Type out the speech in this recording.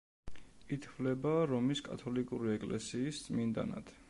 ითვლება რომის კათოლიკური ეკლესიის წმინდანად.